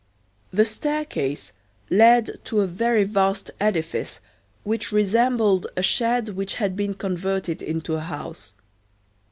The staircase led to a very vast edifice which resembled a shed which had been converted into a house.